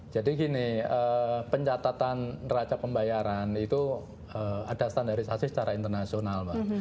gini pencatatan neraca pembayaran itu ada standarisasi secara internasional pak